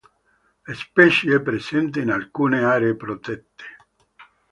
La specie è presente in alcune aree protette.